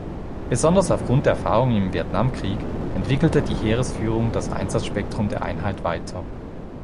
Besonders aufgrund der Erfahrungen im Vietnamkrieg entwickelte die Heeresführung das Einsatzspektrum der Einheit weiter.